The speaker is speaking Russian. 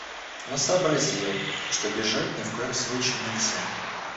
Но сообразила, что бежать ни в коем случае нельзя.